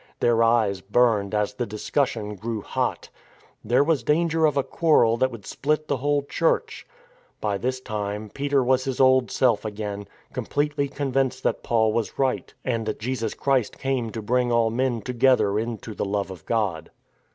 Their eyes burned as the discussion grew hot. There was danger of a quarrel that would split the whole Church. By this time Peter was his old self again, completely convinced that Paul was right, and that Jesus Christ came to bring all men together into the love of God.